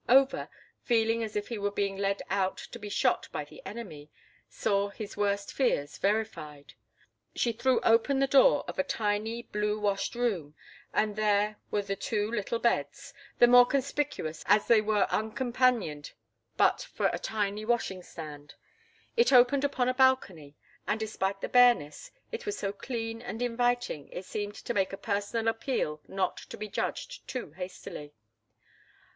Over, feeling as if he were being led out to be shot by the enemy, saw his worst fears verified. She threw open the door of a tiny, blue washed room, and there were the two little beds, the more conspicuous as they were uncompanioned but for a tin washing stand. It opened upon a balcony, and, despite the bareness, it was so clean and inviting it seemed to make a personal appeal not to be judged too hastily.